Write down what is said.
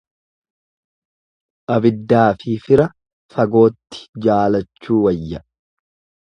Abiddaafi fira fagootti jaalachuu wayya.